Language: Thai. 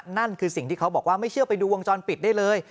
นั่นคือสิ่งที่เขาบอกว่าไม่เชื่อไปดูวงจรปิดได้เลย